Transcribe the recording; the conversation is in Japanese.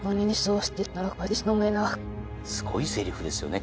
すごいせりふですよね。